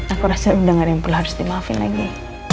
aku rasa udah gak ada yang perlu harus dimaafin lagi